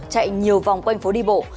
chạy nhiều vòng quanh phố đi bộ